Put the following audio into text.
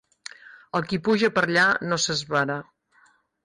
El qui puja per allà no s'esvara.